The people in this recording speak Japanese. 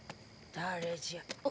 ・誰じゃ？